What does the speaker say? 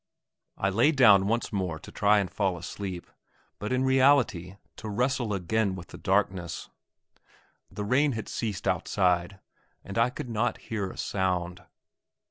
I lay down once more to try and fall asleep, but in reality to wrestle again with the darkness. The rain had ceased outside, and I could not hear a sound.